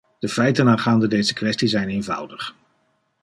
De feiten aangaande deze kwestie zijn eenvoudig.